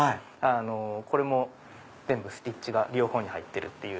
これも全部ステッチが両方に入ってるっていう。